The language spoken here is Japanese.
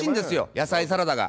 野菜サラダが。